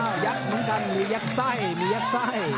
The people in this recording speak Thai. อ้าวยักษ์เหมือนกันมียักษ์ไส้มียักษ์ไส้